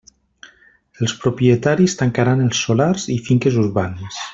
Els propietaris tancaran els solars i finques urbanes.